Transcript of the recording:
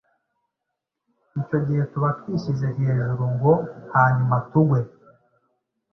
icyo gihe tuba twishyize hejuru ngo hanyuma tugwe.